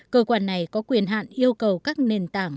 cơ quan này có quyền hạn yêu cầu các nền tảng